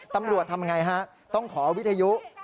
ตำรวจทำอย่างไรฮะต้องขอวิทยุ